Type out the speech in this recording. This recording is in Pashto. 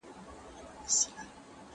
مور وویل چي دوام مهم دی.